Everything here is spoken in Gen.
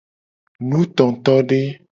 Nutotode.